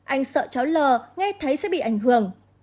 anh sợ cháu l nghe thấy sẽ bị ảnh hưởng